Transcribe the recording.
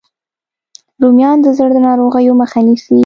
رومیان د زړه د ناروغیو مخه نیسي